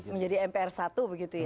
menjadi mpr satu begitu ya